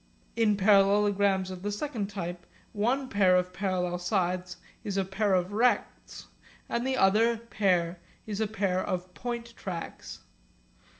In parallelograms of the second type one pair of parallel sides is a pair of rects and the other pair is a pair of point tracks.